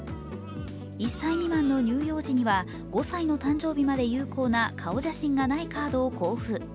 １歳未満の乳幼児には５歳の誕生日まで有効な顔写真がないカードを交付。